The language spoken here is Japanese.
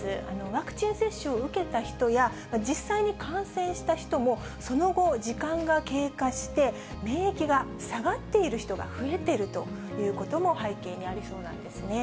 ワクチン接種を受けた人や、実際に感染した人も、その後、時間が経過して、免疫が下がっている人が増えているということも背景にありそうなんですね。